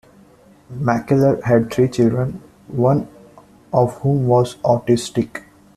Mackellar had three children, one of whom was autistic.